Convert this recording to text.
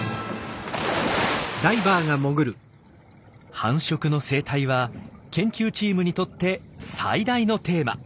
繁殖の生態は研究チームにとって最大のテーマ。